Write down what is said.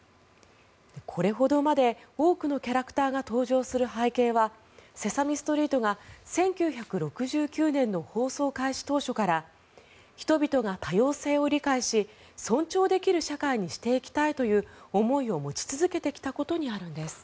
これほどまで多くのキャラクターが登場する背景は「セサミストリート」が１９６９年の放送開始当初から人々が多様性を理解し尊重できる社会にしていきたいという思いを持ち続けてきたことにあるんです。